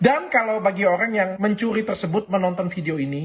dan kalau bagi orang yang mencuri tersebut menonton video ini